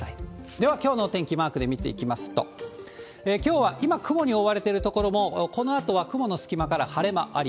ではきょうのお天気、マークで見ていきますと、きょうは今、雲に覆われてる所も、このあとは雲の隙間から晴れ間あり。